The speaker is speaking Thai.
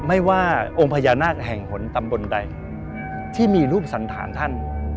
ไม่ว่าองค์พญานาคแห่งหนตำบลใดที่มีรูปสันฐานท่าน